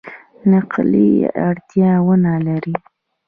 نقلي اړتیا ونه لري.